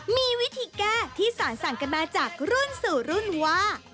มีวิธีแก้ที่สารสั่งกันมาจากรุ่นสู่รุ่นว่า